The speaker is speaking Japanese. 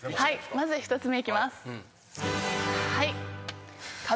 まず１つ目いきます。